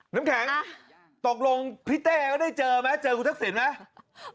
น้ำแข็งตกลงพี่เต้ก็ได้เจอไหมเจอคุณทักษิณไหม